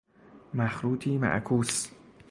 مخروطی معکوس